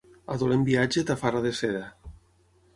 A dolent viatge, tafarra de seda.